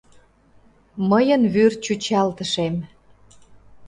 Мыйын вӱр чӱчалтышем.